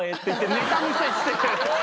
ネタ見せして。